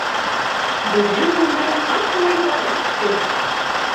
- Беҙҙең ғүмер ҡайһылай ҙа үтте.